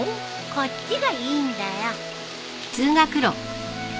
こっちがいいんだよ。